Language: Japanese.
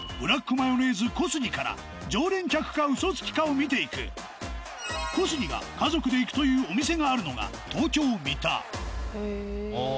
マヨネーズ小杉から常連客かウソつきかを見ていく小杉が家族で行くというお店があるのが東京三田もう。